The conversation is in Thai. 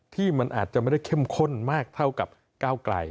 ที่มันอาจจะไม่ได้เข้มข้นมากเท่ากับก้าวไกล